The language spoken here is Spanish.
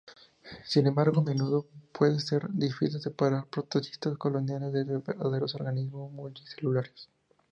Sin embargo, a menudo puede ser difícil separar protistas coloniales de verdaderos organismos multicelulares.